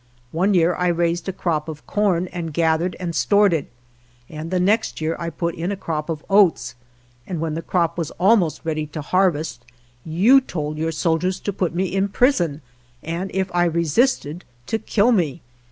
One year I raised a crop of corn, and gathered and stored it, and the next year I put in a crop of oats, and when the crop was almost ready to harvest, you told your soldiers to put me in prison, and if I resisted to kill me.